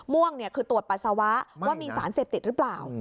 ม่วงคือตรวจปัสสาวะว่ามีสารเสพติดหรือเปล่า